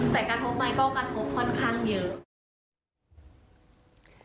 แต่การพบใหม่ก็การพบค่อนข้างเยอะ